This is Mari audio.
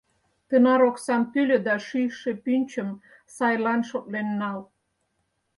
Тынар оксам тӱлӧ да шӱйшӧ пӱнчым сайлан шотлен нал.